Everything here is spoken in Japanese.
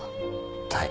はい。